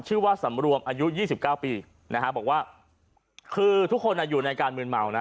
ชื่อว่าสำรวมอายุ๒๙ปีนะฮะบอกว่าคือทุกคนอยู่ในการมืนเมานะ